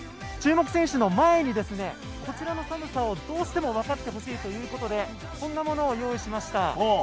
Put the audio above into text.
注目選手の前にこちらの寒さをどうしても分かってほしいということでこんなものを用意しました。